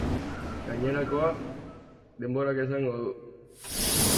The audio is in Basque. Gainerakoa, denborak esango du.